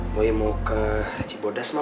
boy mau ke ciboldas ma